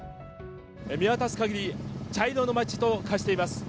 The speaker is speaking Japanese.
見渡すかぎり、茶色の街と化しています。